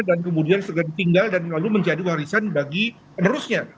dan kemudian segera ditinggal dan lalu menjadi warisan bagi penerusnya